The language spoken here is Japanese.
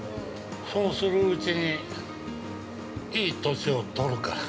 そうするうちにいい年をとるから。